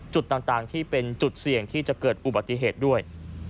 จุดต่างที่เป็นจุดเสี่ยงที่จะเกิดอุบัติเหตุด้วย